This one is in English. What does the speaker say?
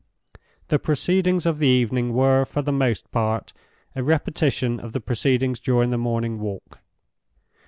The proceedings of the evening were for the most part a repetition of the proceedings during the morning walk.